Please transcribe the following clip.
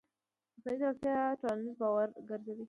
مصنوعي ځیرکتیا د ټولنیز باور موضوع ګرځي.